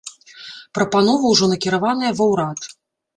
Прапанова ўжо накіраваная ва урад.